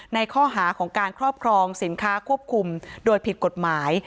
ในข้อหาของการครอบครองสินค้าควบคุมโดยผิดกฎหมาย